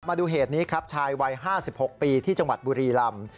มาดูเหตุนี้ครับชายวัย๕๖ปีที่จังหวัดบุรีลำ